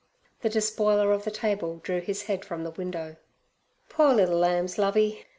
The despoiler of the table drew his head from the window. 'Poor liddle lambs, Lovey!